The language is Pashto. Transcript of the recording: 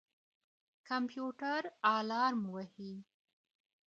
کمپيوټر الارم وهي.